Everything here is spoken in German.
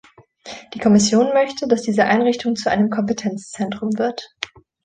Die Kommission möchte, dass diese Einrichtung zu einem Kompetenzzentrum wird.